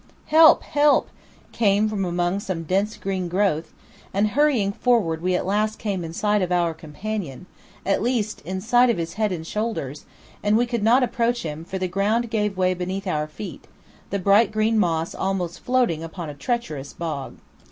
"Help, help!" came from among some dense green growth, and hurrying forward we at last came in sight of our companion, at least in sight of his head and shoulders, and we could not approach him, for the ground gave way beneath our feet, the bright green moss almost floating upon a treacherous bog.